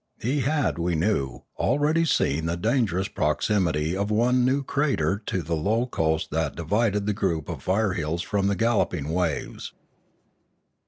He had, we knew, already seen the dangerous prox imity of one new crater to the low coast that divided the group of fire hills from the galloping waves.